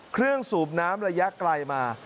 เครื่องสูบน้ำระยะไกลมา